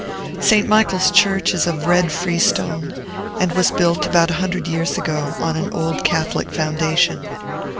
St. Michael's Church is of red freestone, and was built about a hundred years ago, on an old Catholic foundation.